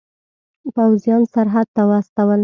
پوځیان سرحد ته واستول.